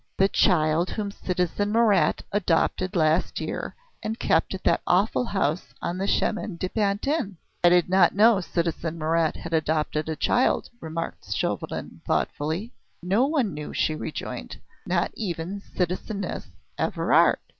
"The child whom citizen Marat adopted last year and kept at that awful house on the Chemin de Pantin." "I did not know citizen Marat had adopted a child," remarked Chauvelin thoughtfully. "No one knew," she rejoined. "Not even citizeness Evrard.